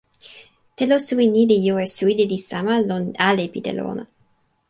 telo suwi ni li jo e suwi lili sama lon ale pi telo ona.